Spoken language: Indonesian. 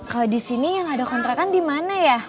kalo disini yang ada kontrakan dimana ya